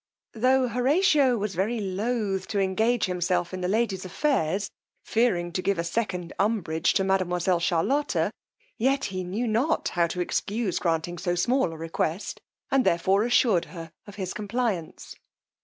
Tho' Horatio was very loth to engage himself in the lady's affairs, fearing to give a second umbrage to mademoiselle Charlotta, yet he knew not how to excuse granting so small a request, and therefore assured her of his compliance.